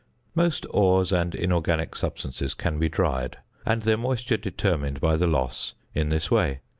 Most ores and inorganic substances can be dried, and their moisture determined by the loss in this way.